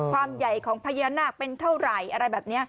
ใหญ่ของพญานาคเป็นเท่าไหร่อะไรแบบนี้